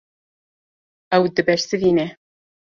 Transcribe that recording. Ew dibersivîne.